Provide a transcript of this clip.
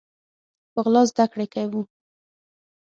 په غلا زده کړي کوو